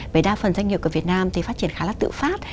với đa phần doanh nghiệp của việt nam thì phát triển khá là tự phát